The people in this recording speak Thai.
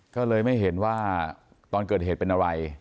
ก็เลยไม่เห็นว่าตอนเกิดเหตุเป็นอะไร